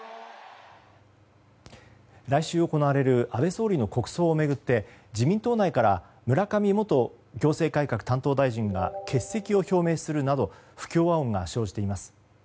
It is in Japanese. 来週行われる安倍総理の国葬を巡って自民党内から村上元行政改革担当大臣が欠席を表明するなど不協和音が生じています。